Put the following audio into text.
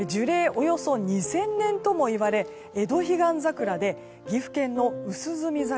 およそ２０００年ともいわれエドヒガンザクラで岐阜県の淡墨桜